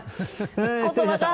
失礼しました。